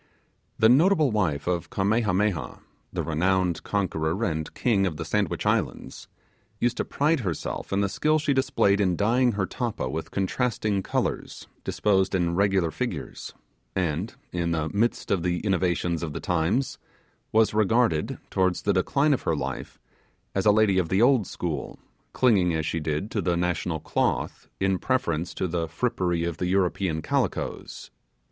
The notable wife of Kamehameha, the renowned conqueror and king of the Sandwich Islands, used to pride herself in the skill she displayed in dyeing her tappa with contrasting colours disposed in regular figures; and, in the midst of the innovations of the times, was regarded, towards the decline of her life, as a lady of the old school, clinging as she did to the national cloth, in preference to the frippery of the European calicoes.